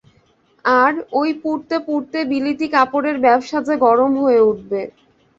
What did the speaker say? আর, ঐ পুড়তে পুড়তে বিলিতি কাপড়ের ব্যাবসা যে গরম হয়ে উঠবে।